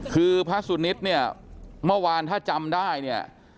คือพระสุนิทเนี่ยเมื่อวานถ้าจำได้เนี่ย